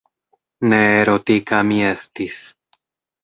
Ne erotika mi estis.